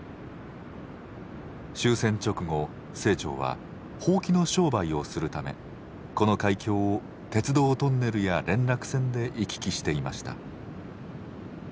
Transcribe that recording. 終戦直後清張はほうきの商売をするためこの海峡を鉄道トンネルや連絡船で行き来していました。